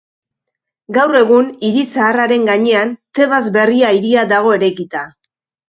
Gaur egun, hiri zaharraren gainean Tebas berria hiria dago eraikita.